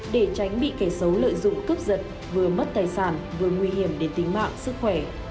để tránh bị kẻ xấu lợi dụng cướp giật vừa mất tài sản vừa nguy hiểm đến tính mạng sức khỏe